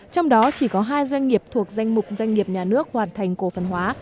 trong đó chỉ có hai doanh nghiệp thuộc danh mục doanh nghiệp nhà nước hoàn thành cổ phần hóa